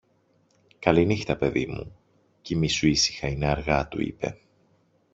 Καληνύχτα, παιδί μου, κοιμήσου ήσυχα, είναι αργά, του είπε.